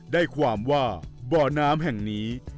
ได้ความว่าบ่อน้ำแห่งนี้